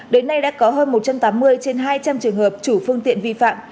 đến nay đã có hơn một trăm tám mươi trên hai trăm linh trường hợp chủ phương tiện vi phạm